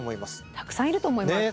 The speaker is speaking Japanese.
たくさんいると思います。